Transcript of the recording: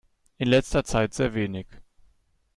In letzter Zeit sehr wenig.